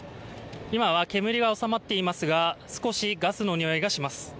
今は煙は収まっていますが少しガスの臭いがします。